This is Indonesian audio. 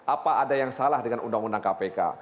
apa ada yang salah dengan undang undang kpk